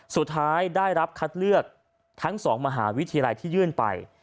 สุดท้ายได้รับคัดเลือกทั้ง๒มหาวิทยาลัยที่ยื่นไป